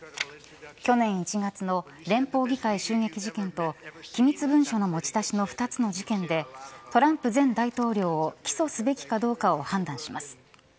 去年１月の連邦議会襲撃事件と機密文書の持ち出しの２つの事件でトランプ前大統領を起訴すべきかどうかを判断します。